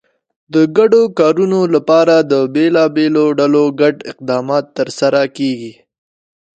د ګډو کارونو لپاره د بېلابېلو ډلو ګډ اقدامات ترسره کېږي.